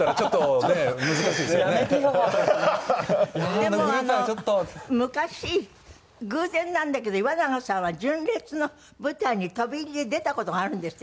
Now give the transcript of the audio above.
でも昔偶然なんだけど岩永さんは純烈の舞台に飛び入りで出た事があるんですって？